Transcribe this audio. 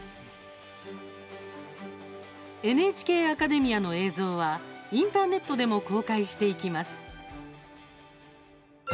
「ＮＨＫアカデミア」の映像はインターネットでも公開していきます。